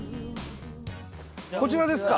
こちらですか？